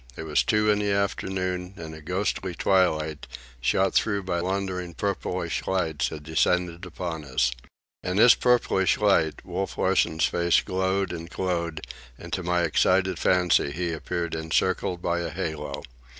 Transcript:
It was two in the afternoon, and a ghostly twilight, shot through by wandering purplish lights, had descended upon us. In this purplish light Wolf Larsen's face glowed and glowed, and to my excited fancy he appeared encircled by a halo.